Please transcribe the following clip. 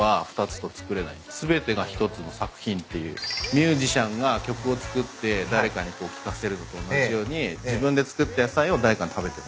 ミュージシャンが曲を作って誰かに聞かせるのと同じように自分で作った野菜を誰かに食べてもらう。